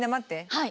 はい。